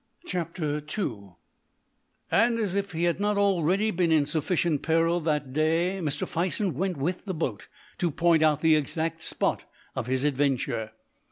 II And, as if he had not already been in sufficient peril that day, Mr. Fison went with the boat to point out the exact spot of his adventure.